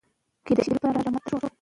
که نظم نه وي، ستونزې پیدا کېږي.